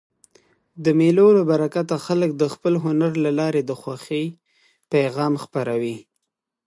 د مېلو له برکته خلک د خپل هنر له لاري د خوښۍ پیغام خپروي.